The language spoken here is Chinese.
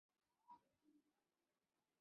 体育场有两层看台。